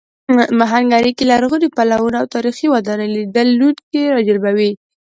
هنګري کې لرغوني پلونه او تاریخي ودانۍ لیدونکي راجلبوي.